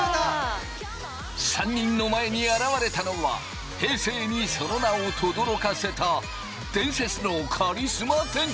３人の前に現れたのは平成にその名をとどろかせた伝説のカリスマ店長！